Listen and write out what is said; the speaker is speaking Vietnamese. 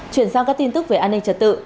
chuyển sang các tin tức về an ninh trật tự